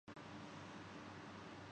یہ لو، بسنت کی مٹھائی۔